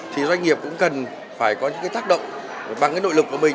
thì doanh nghiệp cũng cần phải có những tác động bằng nội lực của mình